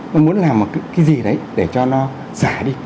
nó muốn làm cái gì đấy để cho nó giả đi